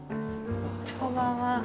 こんばんは。